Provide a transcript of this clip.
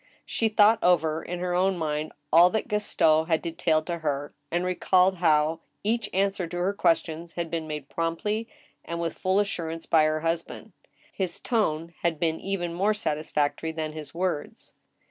She thought over, in her own mind, all that Gaston had detailed to her, and recalled how each answer to her questions had been made promptly and with full assurance by her husband. His tone had been even more satisfactory than his words.